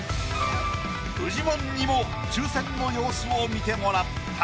フジモンにも抽選の様子を見てもらった。